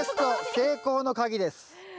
成功の鍵です。